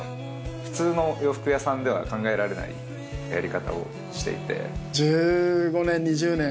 普通の洋服屋さんでは考えられないやり方をしていて。